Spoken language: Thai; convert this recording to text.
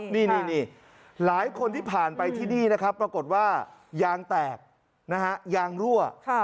นี่หลายคนที่ผ่านไปที่นี่นะครับปรากฏว่ายางแตกนะฮะยางรั่ว